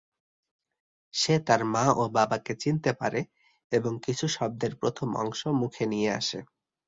সে তার মা ও বাবাকে চিনতে পারে এবং কিছু শব্দের প্রথম অংশ মুখে নিয়ে আসে।